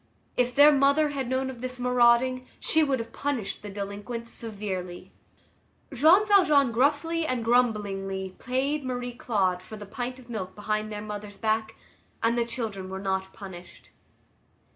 If their mother had known of this marauding, she would have punished the delinquents severely. Jean Valjean gruffly and grumblingly paid Marie Claude for the pint of milk behind their mother's back, and the children were not punished.